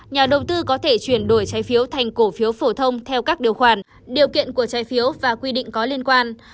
nhà đầu tư có thể chuyển đổi trái phiếu thành cổ phiếu phổ thông theo các điều khoản điều kiện của trái phiếu và quy định có liên quan